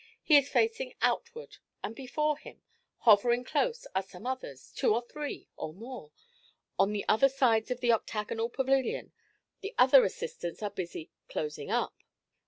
He is facing outward, and before him, hovering close, are some others, two or three, or more. On the other sides of the octagonal pavilion the other assistants are busy "closing up."